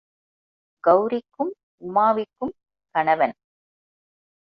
கெளரிக்கும் உமாவிக்கும் கணவன்.